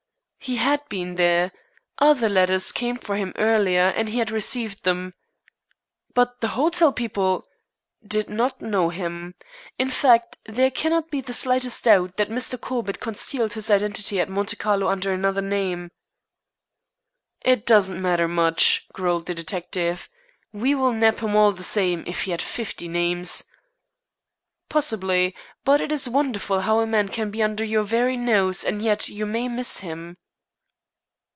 "He had been there. Other letters came for him earlier, and he had received them." "But the hotel people " "Did not know him. In fact, there cannot be the slightest doubt that Mr. Corbett concealed his identity at Monte Carlo under another name." "It doesn't matter much," growled the detective. "We will nab him all the same, if he had fifty names." "Possibly. But it is wonderful how a man may be under your very nose, and yet you may miss him."